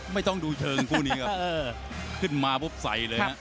ไม่ต้องดูเชิงคู่นี้ครับขึ้นมาปุ๊บใส่เลยนะ